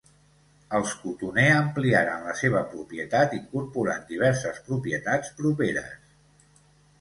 Els Cotoner ampliaren la seva propietat incorporant diverses propietats properes.